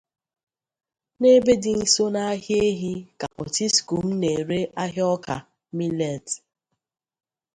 N'ebe dị nso n'ahịa ehi ka Potiskum na-ere ahịa ọka /millet.